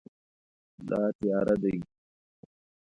دا تیاره دی